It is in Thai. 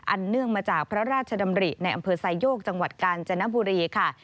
เนื่องมาจากพระราชดำริในอำเภอไซโยกจังหวัดกาญจนบุรีค่ะ